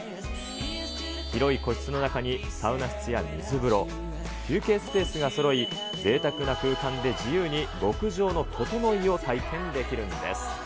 広い個室の中にサウナ室や水風呂、休憩スペースがそろい、ぜいたくな空間で自由に極上のととのいを体験できるんです。